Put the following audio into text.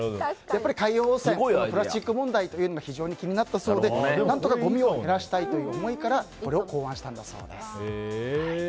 やっぱり海洋汚染プラスチック問題が非常に気になったそうで何とかごみを減らしたい思いからこれを考案したんだそうです。